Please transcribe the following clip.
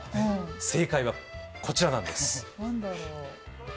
正解は、こちらなんです。